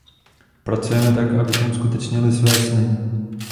Pracujme tak, abychom uskutečnili své sny.